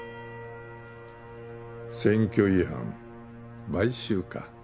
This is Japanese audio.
選挙違反買収か。